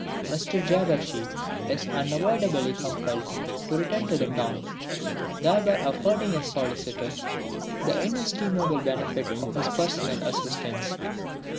XXVII _Mr Jabberjee is unavoidably compelled to return to town, thereby affording his Solicitor the inestimable benefit of his personal assistance.